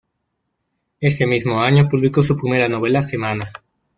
Ese mismo año publicó su primera novela: "Semana".